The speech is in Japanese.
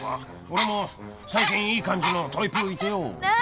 俺も最近いい感じのトイプーいてよ何？